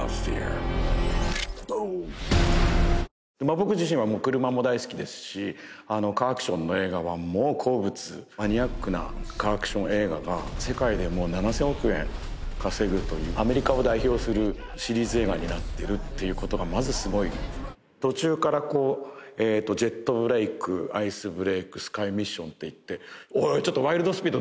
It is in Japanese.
僕自身はもう車も大好きですしカーアクションの映画はもう好物マニアックなカーアクション映画が世界でも７０００億円稼ぐというアメリカを代表するシリーズ映画になってるっていうことがまずすごい途中からこうジェットブレイクアイスブレイクスカイミッションっていっておいおいちょっとワイルド・スピード